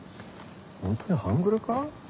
本当に半グレか？